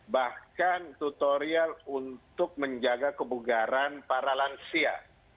bahkan tutorial untuk menjaga kebugaran para lansia